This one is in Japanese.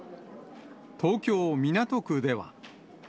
東京・港区では。